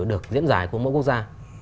được diễn giải của mỗi quốc gia